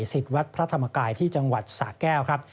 สิทธิ์วัดพระธรรมกายที่จังหวัดสะแก้วครับ